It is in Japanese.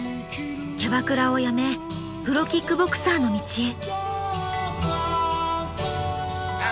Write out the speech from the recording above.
キャバクラを辞めプロキックボクサーの道へ］